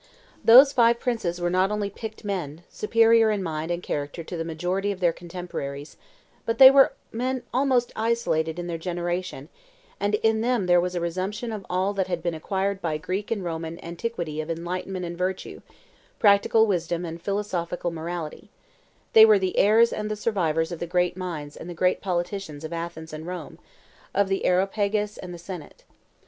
Those five princes were not only picked men, superior in mind and character to the majority of their contemporaries, but they were men almost isolated in their generation; in them there was a resumption of all that had been acquired by Greek and Roman antiquity of enlightenment and virtue, practical wisdom and philosophical morality: they were the heirs and the survivors of the great minds and the great politicians of Athens and Rome, of the Areopagus and the Senate.